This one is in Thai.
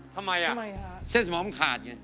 ทำไมอะเส้นสมองขาด